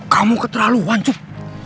kamu keterlaluan cuk